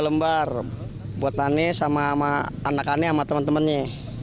enam lembar buat tani sama anak aneh sama teman temannya